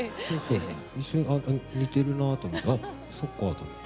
一瞬似てるなと思ったらあっそっかと思って。